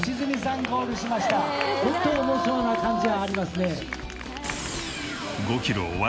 ちょっと重そうな感じがありますね。